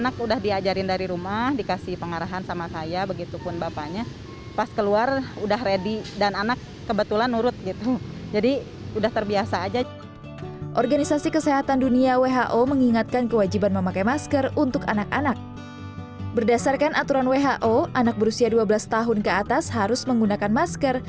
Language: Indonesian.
berdasarkan aturan who anak berusia dua belas tahun ke atas harus menggunakan masker